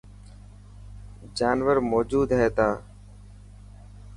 جانور موجود هئي تا.